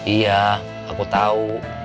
iya aku tau